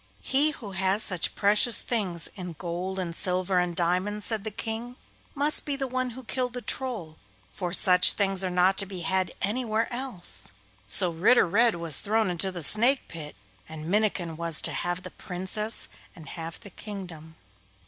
'He who has such precious things in gold and silver and diamonds,' said the King, 'must be the one who killed the Troll, for such things are not to be had anywhere else.' So Ritter Red was thrown into the snake pit, and Minnikin was to have the Princess, and half the kingdom.